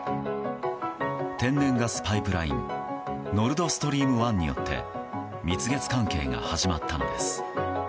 天然ガスパイプラインノルドストリーム１によって蜜月関係が始まったのです。